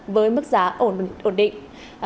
với mức giá ổn định